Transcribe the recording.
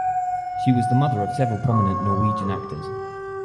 She was the mother of several prominent Norwegian actors.